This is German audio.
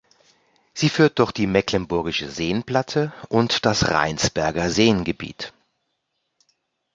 Sie führt durch die Mecklenburgische Seenplatte und das Rheinsberger Seengebiet.